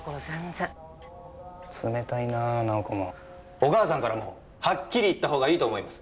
お母さんからもはっきり言った方がいいと思います。